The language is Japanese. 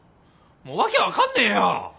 もう訳分かんねえよ！